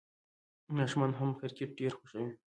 ماشومان هم کرکټ ډېر خوښوي.